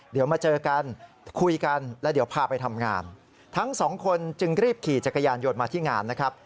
ขี่จักรยานยนต์มาที่งานนะครับ